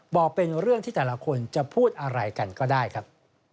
บอกเป็นเรื่องที่แต่ละคนจะพูดอะไรกันก็ได้ครับ